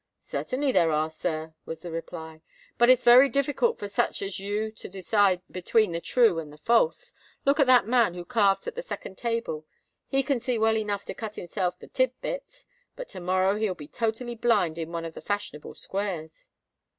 "Certainly there are, sir," was the reply; "but it's very difficult for such as you to decide between the true and the false. Look at that man who carves at the second table: he can see well enough to cut himself the tit bits; but to morrow he will be totally blind in one of the fashionable squares."